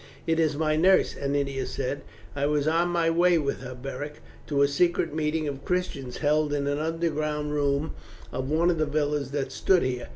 "It is my nurse," Ennia said; "I was on my way with her, Beric, to a secret meeting of Christians held in an underground room of one of the villas that stood here.